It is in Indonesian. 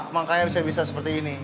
makanya bisa bisa seperti ini